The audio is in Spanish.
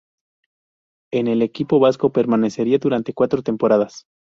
En el equipo vasco permanecería durante cuatro temporadas.